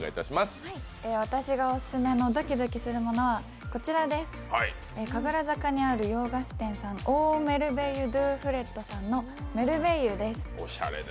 私がオススメのドキドキするものは、神楽坂にある洋菓子店さん、オー・メルベイユ・ドゥ・フレッドさんのメルベイユです。